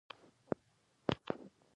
اړینه نه ده چې مشرتوب په رتبو کې وي.